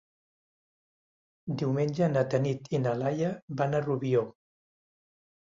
Diumenge na Tanit i na Laia van a Rubió.